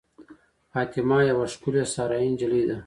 فاطمه یوه ښکلې صحرايي نجلۍ ده.